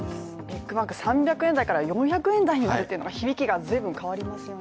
ビッグマック、３００円台から４００円台に入るというのが響きがありますよね。